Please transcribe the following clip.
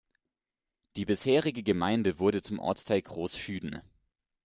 Die bisherige Gemeinde wurde zum Ortsteil Groß Chüden.